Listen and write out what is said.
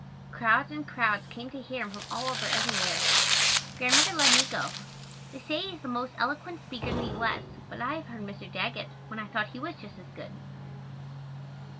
Crowds and crowds came to hear him from all over everywhere. Grandmother let me go. They say he is the most eloquent speaker in the U. S., but I have heard Mr. Daggett when I thought he was just as good.